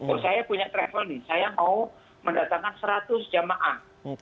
oh saya punya travel nih saya mau mendatangkan seratus jamaah